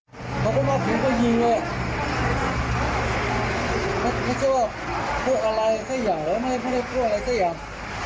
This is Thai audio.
เขาก็ว่าผมก็ยิงอ่ะไม่ใช่ว่าพูดอะไรสักอย่างแล้วไม่ได้พูดอะไรสักอย่าง